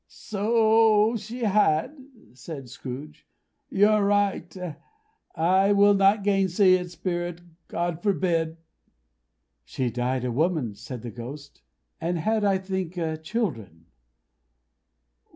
"So she had," cried Scrooge. "You're right. I will not gainsay it Spirit. God forbid!" "She died a woman," said the Ghost, "and had, as I think, children."